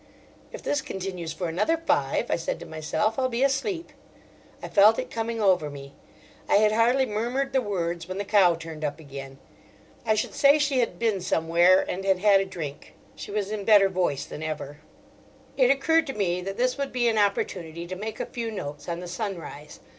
"If this continues for another five," I said to myself, "I'll be asleep." I felt it coming over me. I had hardly murmured the words when the cow turned up again. I should say she had been somewhere and had had a drink. She was in better voice than ever. It occurred to me that this would be an opportunity to make a few notes on the sunrise.